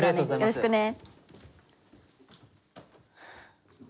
よろしくね。